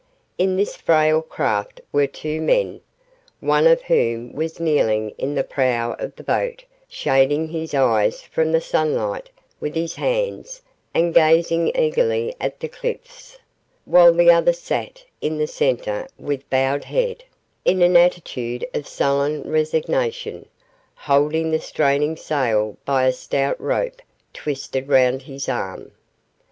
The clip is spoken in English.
In this frail craft were two men, one of whom was kneeling in the prow of the boat shading his eyes from the sunlight with his hands and gazing eagerly at the cliffs, while the other sat in the centre with bowed head, in an attitude of sullen resignation, holding the straining sail by a stout rope twisted round his arm.